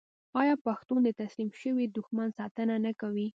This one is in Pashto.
آیا پښتون د تسلیم شوي دښمن ساتنه نه کوي؟